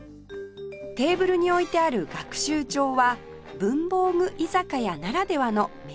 テーブルに置いてある学習帳は文房具居酒屋ならではのメニュー表